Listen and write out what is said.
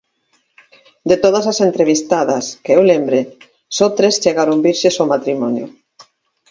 De todas as entrevistadas, que eu lembre, só tres chegaron virxes ao matrimonio.